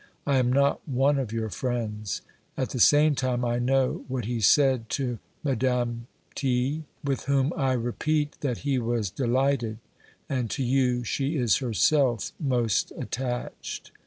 I am not one of your friends. At the same time I know what he said to Madame T , with whom I repeat that he was delighted, and to you she is herself most attached.